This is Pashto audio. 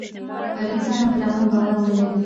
پر انسان او کرامت باور نه لري.